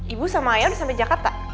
ibu sama ayah udah sampe jakarta